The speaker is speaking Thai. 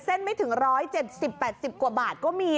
เส้นไม่ถึงร้อย๗๐๘๐กว่าบาทก็มี